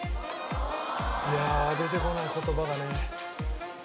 いやあ出てこない言葉がね。